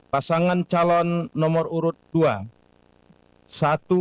pasangan calon nomor urut tiga satu ratus dua puluh empat ribu empat puluh empat suara